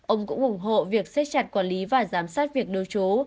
ông cũng ủng hộ việc xếp chặt quản lý và giám sát việc lưu trú